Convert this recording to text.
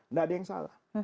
nggak ada yang salah